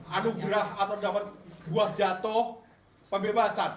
anugerah atau dapat buah jatuh pembebasan